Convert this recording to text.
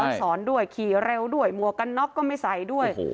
สอนด้วยขี่เร็วด้วยหมวกกันน็อกก็ไม่ใส่ด้วย